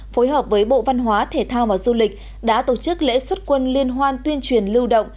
phối hợp với bộ văn hóa thể thao và du lịch đã tổ chức lễ xuất quân liên hoan tuyên truyền lưu động